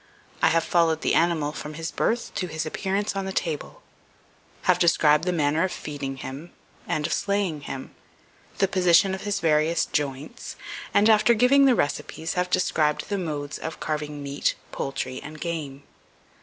I have followed the animal from his birth to his appearance on the table; have described the manner of feeding him, and of slaying him, the position of his various joints, and, after giving the recipes, have described the modes of carving Meat, Poultry, and Game.